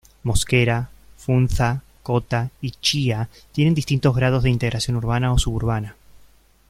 Mosquera, Funza, Cota y Chía tienen distintos grados de integración urbana o suburbana.